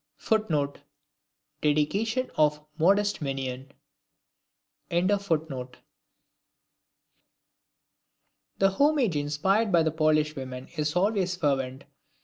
[Footnote: Dedication of "Modeste Mignon".] The homage inspired by the Polish women is always fervent.